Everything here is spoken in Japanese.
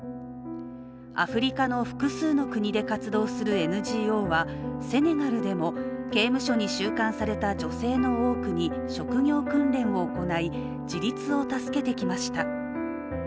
アフリカの複数の国で活動するＮＧＯはセネガルでも刑務所に収監された女性の多くに職業訓練を行い自立を助けてきました。